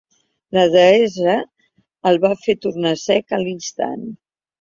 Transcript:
La deessa el va fer tornar cec a l'instant.